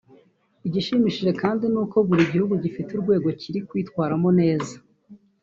Igishimishije kandi ni uko buri gihugu gifite urwego kiri kwitwaramo neza